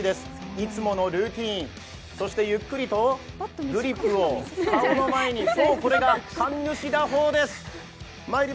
いつものルーチン、そしてゆっくりとグリップを顔の前へ、そう、これが神主打法です。